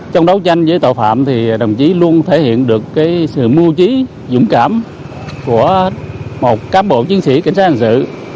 trong đấu tranh với tội phạm thì đồng chí luôn thể hiện được sự mưu trí dũng cảm của một cám bộ chiến sĩ cảnh sát hành sự